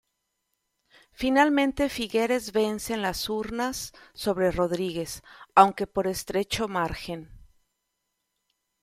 Finalmente, Figueres vence en las urnas sobre Rodríguez, aunque por estrecho margen.